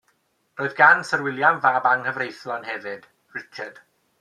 Roedd gan Syr William fab anghyfreithlon hefyd, Richard.